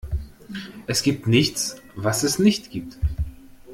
Es gibt nichts, was es nicht gibt.